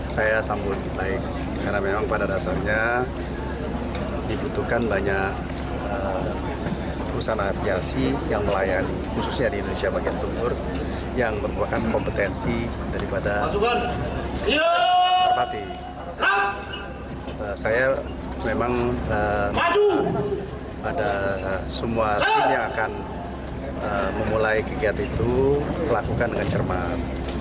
saya memang ada semua yang akan memulai kegiatan itu dilakukan dengan cermat